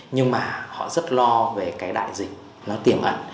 nhưng mà họ rất lo về cái đại dịch nó tiềm ẩn